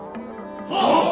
はっ！